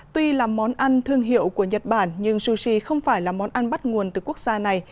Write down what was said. tuy là món ăn thương hiệu của nhật bản nhưng sushi không phải là món ăn bắt nguồn từ quốc gia này